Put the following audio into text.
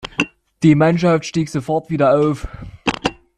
Die Mannschaft stieg sofort wieder auf.